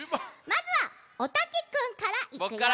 まずはおたけくんからいくよ。